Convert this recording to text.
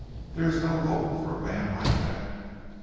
There is no hope for a man like that."